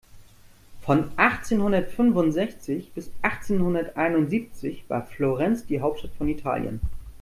Von achtzehnhundertfünfundsechzig bis achtzehnhunderteinundsiebzig war Florenz die Hauptstadt von Italien.